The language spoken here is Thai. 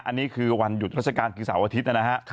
อันนี้คือวันหยุดราชการคือเสาร์อาทิตย์นะฮะ